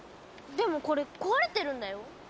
でもこれ壊れてるんだよ。